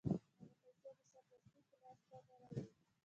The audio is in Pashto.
هغه پیسې سمدستي په لاس نه راوړي